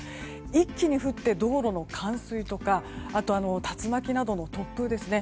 一気に降って道路の冠水とか竜巻などの突風ですね。